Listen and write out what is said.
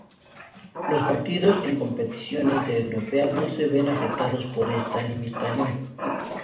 Los partidos en competiciones de europeas no se ven afectados por esta limitación.